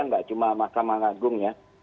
nggak cuma mahkamah agung ya